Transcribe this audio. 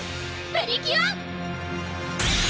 プリキュア！